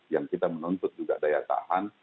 yang kita menuntut juga daya tahan